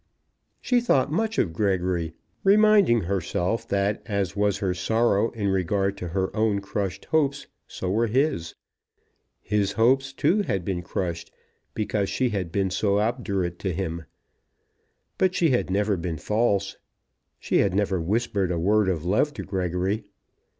She thought much of Gregory, reminding herself that as was her sorrow in regard to her own crushed hopes, so were his. His hopes, too, had been crushed, because she had been so obdurate to him. But she had never been false. She had never whispered a word of love to Gregory.